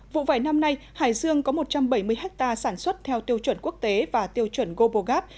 vụ vải năm nay hải dương có một trăm bảy mươi ha sản xuất theo tiêu chuẩn quốc tế và tiêu chuẩn global gap